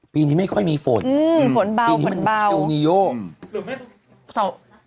ปีนี้ไม่ค่อยมีฝนอื้มฝนเยาวปีนี้มันเตียงอย่างโง่